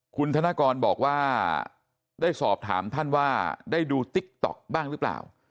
คุณธนกรบอกว่าได้สอบถามท่านว่าได้ดูติ๊กต๊อกบ้างหรือเปล่า